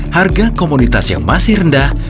harga komunitas yang masih rendah